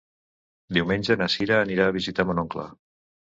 Diumenge na Sira anirà a visitar mon oncle.